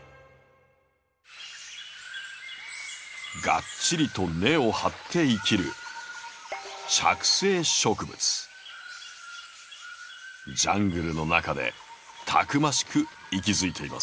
ガッチリと根を張って生きるジャングルの中でたくましく息づいています。